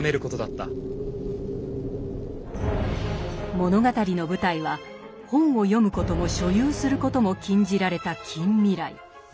物語の舞台は本を読むことも所有することも禁じられた近未来。